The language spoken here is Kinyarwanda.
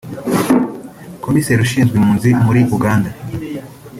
Komiseri ushinzwe impunzi muri Uganda